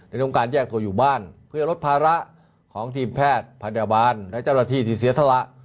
ต้องการแยกตัวอยู่บ้านเพื่อลดภาระของทีมแพทย์พยาบาลและเจ้าหน้าที่ที่เสียสละ